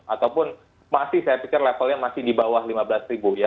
ataupun masih saya pikir levelnya masih di bawah lima belas ribu ya